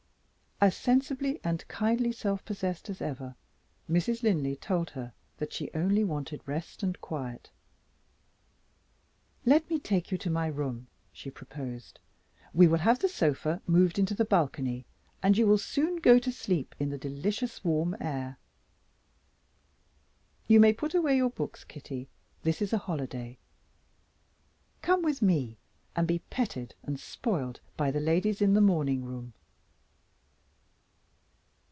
As sensibly and kindly self possessed as ever, Mrs. Linley told her that she only wanted rest and quiet. "Let me take you to my room," she proposed. "We will have the sofa moved into the balcony, and you will soon go to sleep in the delicious warm air. You may put away your books, Kitty; this is a holiday. Come with me, and be petted and spoiled by the ladies in the morning room."